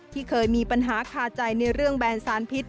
ที่เคยมีปัญหาคาใจในเรื่องแบนสารพิษ